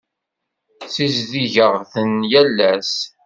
Ssizdigeɣ-ten yal ass.